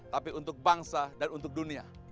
tapi untuk bangsa dan untuk dunia